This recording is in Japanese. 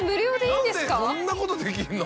こんなことできんの？